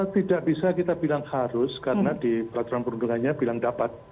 tidak bisa kita bilang harus karena di peraturan perundungannya bilang dapat